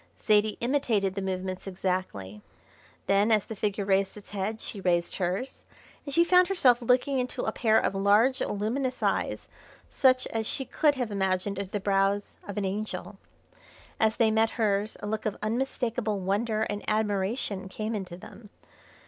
Zaidie imitated the movements exactly. Then, as the figure raised its head she raised hers, and she found herself looking into a pair of large, luminous eyes such as she could have imagined under the brows of an angel. As they met hers a look of unmistakable wonder and admiration came into them.